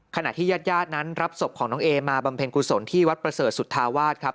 ขณะที่ญาติญาตินั้นรับศพของน้องเอมาบำเพ็ญกุศลที่วัดประเสริฐสุธาวาสครับ